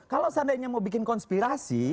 kalau seandainya mau bikin konspirasi